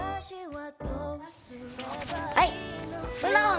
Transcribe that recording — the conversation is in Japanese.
はい！